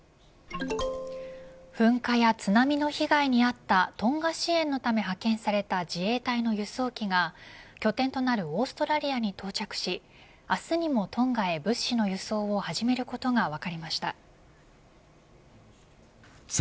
噴火や津波の被害にあったトンガ支援のため派遣された自衛隊の輸送機が拠点となるオーストラリアに到着し明日にもトンガへ物資の輸送を始めることが分かりました。